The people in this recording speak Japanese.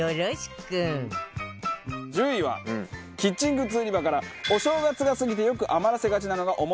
１０位はキッチングッズ売り場からお正月が過ぎてよく余らせがちなのがお餅。